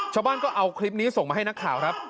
ชาวบ้านก็เอาคลิปนี้ส่งมาให้นักข่าวครับ